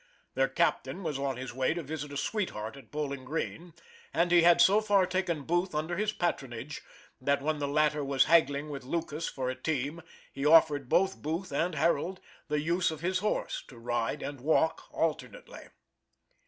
Their captain was on his way to visit a sweetheart at Bowling Green, and he had so far taken Booth under his patronage, that when the latter was haggling with Lucas for a team, he offered both Booth and Harold the use of his horse, to ride and walk alternately.